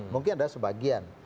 mungkin ada sebagian